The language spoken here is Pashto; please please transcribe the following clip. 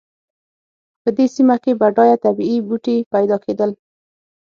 په دې سیمه کې بډایه طبیعي بوټي پیدا کېدل.